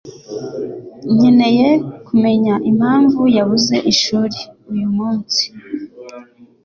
Nkeneye kumenya impamvu yabuze ishuri uyu munsi.